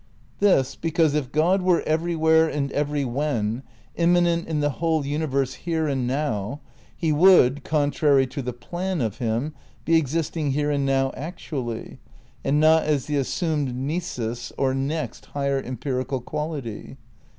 This, because if God were everywhere and every when, immanent in the whole universe here and now, he would, contrary to the "plan" of him, be existing here and now actually, and not as the assumed nisus or next higher empirical quality.